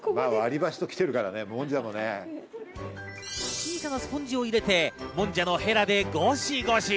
小さなスポンジを入れて、もんじゃのヘラでゴシゴシ。